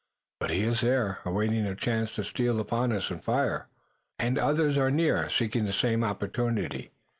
But he is there, awaiting a chance to steal upon us and fire." "And others are near, seeking the same opportunity."